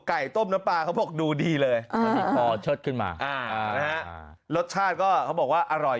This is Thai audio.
ไก่ต้มน้ำปลาเขาบอกดูดีเลยอ่าอ่ารสชาติก็เขาบอกว่าอร่อย